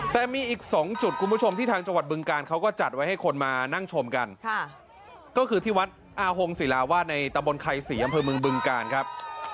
แต่มีอีก๒จุดคุณผู้ชมที่ทางจังหวัดบึงการเขาก็จัดไว้ให้คนมานั่งชมกันก็คือที่วัดอาหงศิลาวาสในตะบนไข่ศรีอำเภอเมืองบึงกาลครับ